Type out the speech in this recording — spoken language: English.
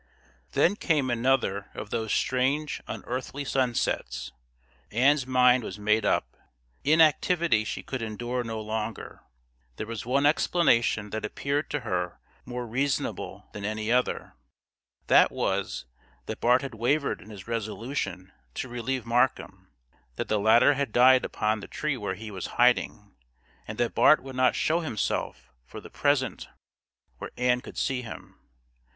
Then came another of those strange unearthly sunsets. Ann's mind was made up. Inactivity she could endure no longer. There was one explanation that appeared to her more reasonable than any other; that was, that Bart had wavered in his resolution to relieve Markham, that the latter had died upon the tree where he was hiding, and that Bart would not show himself for the present where Ann could see him.